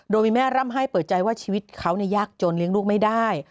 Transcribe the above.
โดยมีแม่ร่ำให้เปิดใจว่าชีวิตเขายากจนเลี้ยงลูกไม่ได้